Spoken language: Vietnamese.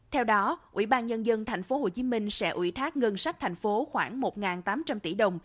theo đó ủy ban nhân dân tp hcm sẽ ủy thác ngân sách thành phố khoảng một tám trăm linh tỷ đồng